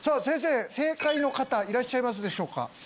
先生正解の方いらっしゃいますでしょうか？